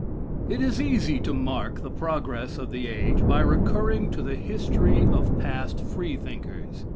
It is easy to mark the progress of the age by recurring to the history of past Freethinkers.